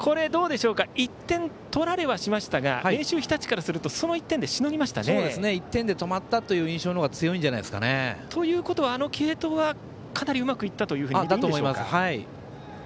１点取られはしましたが明秀日立からすると１点で止まったという印象のほうが強いんじゃないですかね。ということはあの継投はかなりうまくいったとみてだと思います。